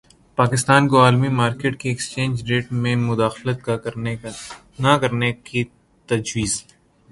پاکستان کو عالمی مارکیٹ کے ایکسچینج ریٹ میں مداخلت نہ کرنے کی تجویز